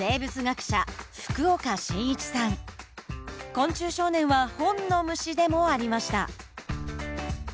昆虫少年は本の虫でもありました。